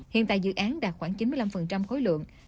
hiện tại dự án đạt khoảng chín mươi năm khối lượng